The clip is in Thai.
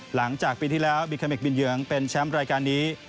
หลังจากปีที่แล้วบิเมคบินเยืองเป็นแชมป์รายการนี้